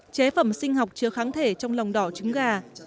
chế phẩm sinh học chứa kháng thể trong lòng đỏ trứng gà